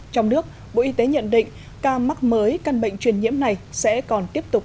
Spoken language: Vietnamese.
trong nước bộ y tế nhận định ca mắc mới căn bệnh truyền nhiễm này sẽ còn tiếp tục